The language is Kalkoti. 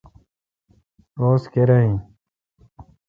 روز کیرا این۔